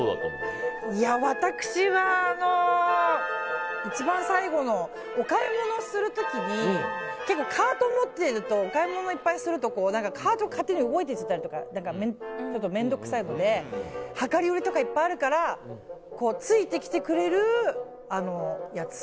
私は、一番最後のお買い物をする時にカートを持っているとお買い物をいっぱいするとカートが勝手に動いていったり面倒くさいので量り売りとかいっぱいあるからついてきてくれるやつ。